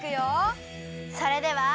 それでは！